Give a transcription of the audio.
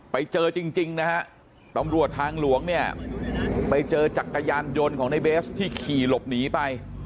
ไปเจอจริงนะฮะตำรวจทางหลวงเนี่ยไปเจอจักรยานยนต์ของในเบสที่ขี่หลบหนีไป